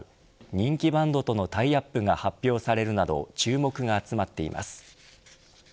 人気バンドとのタイアップが発表されるなど注目が集まっています。